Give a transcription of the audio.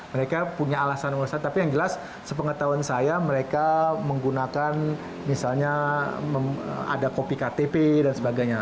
mereka punya alasan alasan tapi yang jelas sepengetahuan saya mereka menggunakan misalnya ada kopi ktp dan sebagainya